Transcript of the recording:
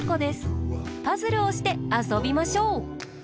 パズルをしてあそびましょう！